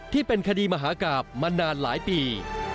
ที่เป็นคดีมหากราบมานานหลายปี